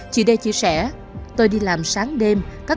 chị đê chia sẻ tôi đi làm sáng đêm